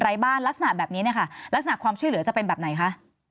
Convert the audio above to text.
บ้านลักษณะแบบนี้เนี่ยค่ะลักษณะความช่วยเหลือจะเป็นแบบไหนคะ